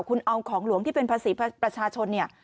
คุณเอาของหลวงที่เป็นภาษีประชาชนเนี่ย